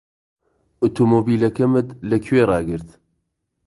ئۆتۆمۆبیلەکەمت لەکوێ ڕاگرت؟